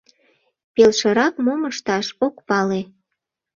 Пелшырак мом ышташ, ок пале.